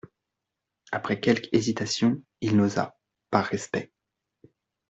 Après quelque hésitation, il n'osa, par respect.